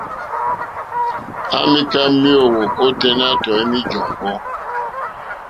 À mìká méèwó óténá tɔ̀ímá !jɔ́ŋɡɔ́.